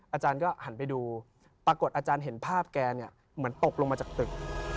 อาจารย์ก็หันไปดูปรากฏอาจารย์เห็นภาพแกเนี่ยเหมือนตกลงมาจากตึก